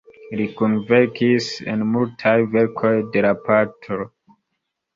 Li kunverkis en multaj verkoj de la patro.